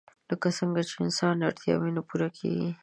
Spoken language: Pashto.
لکه څنګه چې د انسان اړتياوې نه پوره کيږي